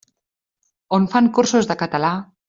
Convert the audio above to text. On fan cursos de català?